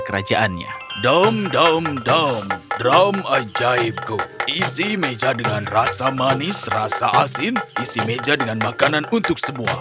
rasa manis rasa asin isi meja dengan makanan untuk semua